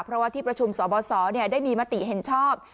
เพราะว่าที่ประชุมสบสได้มีมติเห็นชอบ